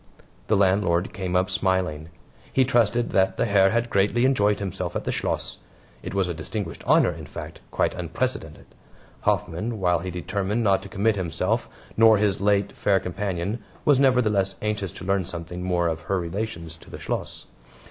The landlord came up smiling. He trusted that the Herr had greatly enjoyed himself at the Schloss. It was a distinguished honor in fact, quite unprecedented. Hoffman, while he determined not to commit himself, nor his late fair companion, was nevertheless anxious to learn something more of her relations to the Schloss.